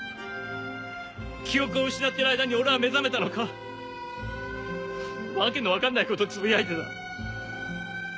記憶を失ってる間に俺は目覚めたのか訳の分かんないことつぶやいてた。